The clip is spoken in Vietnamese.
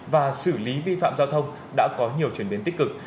và xử lý vi phạm giao thông đã có nhiều chuyển biến tích cực